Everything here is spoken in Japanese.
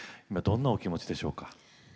今どんなお気持ちでしょうか。